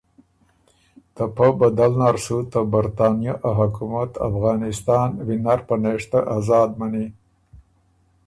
ته پۀ بدل نر سُو ته برطانیه ا حکومت افغانستان وینر پنېشته آزاد منی۔